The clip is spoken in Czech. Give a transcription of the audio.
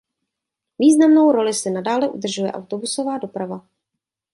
Významnou roli si nadále udržuje autobusová doprava.